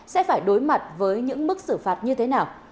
sẽ phải đối mặt với những mức xử phạt như thế nào